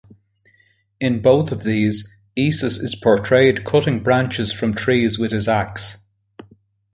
In both of these, Esus is portrayed cutting branches from trees with his axe.